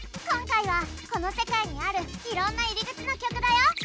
今回はこの世界にあるいろんな入り口の曲だよ。